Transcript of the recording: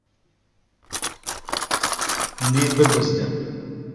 Hûn ê bibizdin.